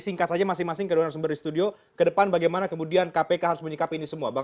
singkat saja masing masing kedua dua harus memberi studio ke depan bagaimana kemudian kpk harus menikapi ini semua